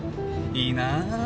いいなぁ。